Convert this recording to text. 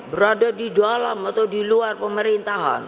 berada di dalam atau di luar pemerintahan